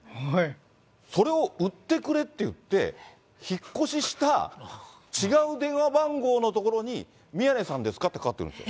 それを売ってくれっていって、引っ越しした違う電話番号の所に、宮根さんですかって電話かかってくるんですよ。